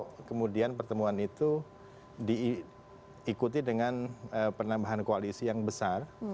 kalau kemudian pertemuan itu diikuti dengan penambahan koalisi yang besar